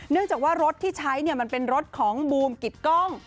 จากว่ารถที่ใช้มันเป็นรถของบูมกิดกล้อง